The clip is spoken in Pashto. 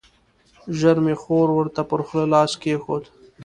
ژر مې خور ورته پر خوله لاس کېښود.